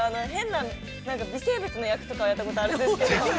変な微生物の役とかはやったことあるんですけど。